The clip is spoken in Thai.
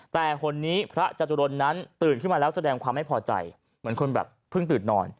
แต่คนนี้พระจตุรนนั้นตื่นขึ้นมาแล้วแสดงความไม่พอใจเหมือนคนแบบเพิ่งตื่นนอน